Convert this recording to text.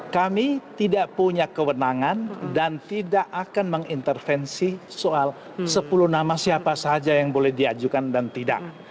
kami tidak punya kewenangan dan tidak akan mengintervensi soal sepuluh nama siapa saja yang boleh diajukan dan tidak